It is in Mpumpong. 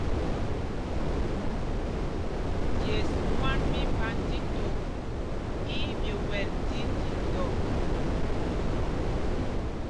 Ces mwân mí Panjtítok í í ɓyɛl tí ndindɔ.